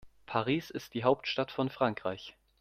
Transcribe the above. Paris ist die Hauptstadt von Frankreich.